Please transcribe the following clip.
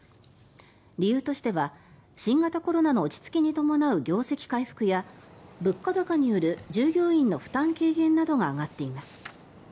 理由としては新型コロナの落ち着きに伴う業績回復や物価高による従業員の負担軽減などが挙がっています。